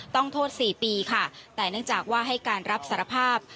ต้องโทษ๔ปีค่ะแต่เนื่องจากว่าให้การรับสารภาพ